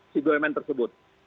si bumn tersebut